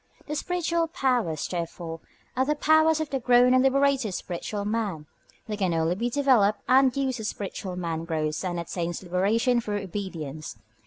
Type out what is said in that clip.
The spiritual powers, therefore, are the powers of the grown and liberated spiritual man. They can only be developed and used as the spiritual man grows and attains liberation through obedience.